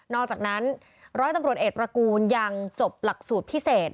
อกจากนั้นร้อยตำรวจเอกตระกูลยังจบหลักสูตรพิเศษ